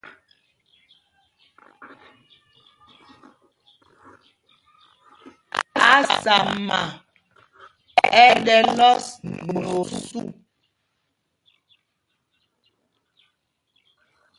Ásama ɛ́ ɗɛ lɔs nɛ osû.